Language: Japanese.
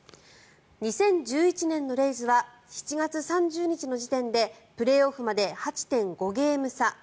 ２０１１年のレイズは７月３０日の時点でプレーオフまで８．５ゲーム差。